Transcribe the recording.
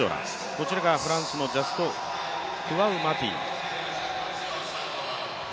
こちらがフランスのジャスト・クワウマティ。